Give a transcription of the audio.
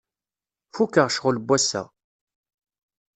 Fukeɣ ccɣel n wass-a.